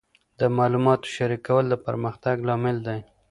د معلوماتو شریکول د پرمختګ لامل دی.